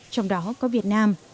trong đó có việt nam